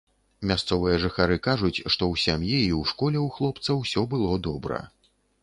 Мясцовыя жыхары кажуць, што ў сям'і і ў школе ў хлопца ўсё было добра.